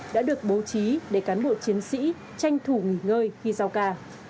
đã được bố trí để cán bộ chiến sĩ tranh thủ nghỉ ngơi khi giao ca